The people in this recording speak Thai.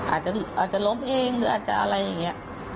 อาจจะล้มเองหรืออาจจะอะไรอย่างนี้